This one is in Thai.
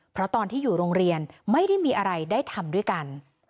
เพราะตอนที่อยู่โรงเรียนไม่ได้มีอะไรได้ทำด้วยกัน